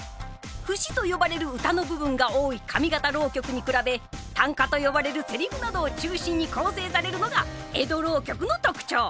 節と呼ばれる歌の部分が多い上方浪曲に比べタンカと呼ばれるセリフなどを中心に構成されるのが江戸浪曲の特徴。